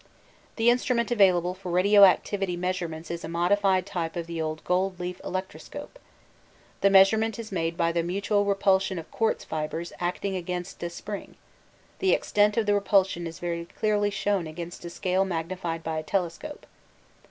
The instrument available for radio activity measurements is a modified type of the old gold leaf electroscope. The measurement is made by the mutual repulsion of quartz fibres acting against a spring the extent of the repulsion is very clearly shown against a scale magnified by a telescope.